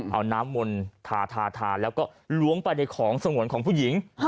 เอาน้ำมนต์ทาทาแล้วก็ล้วงไปในของสงวนของผู้หญิง